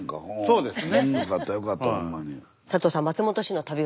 そうですね。